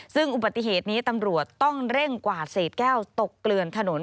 ซึ่งอุบัติเหตุนี้ตำรวจต้องเร่งกวาดเศษแก้วตกเกลือนถนน